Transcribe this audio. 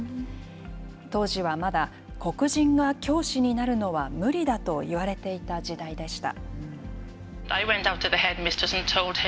当時はまだ黒人が教師になるのは無理だと言われていた時代でした。